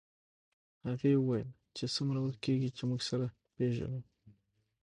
هغې وویل چې څومره وخت کېږي چې موږ سره پېژنو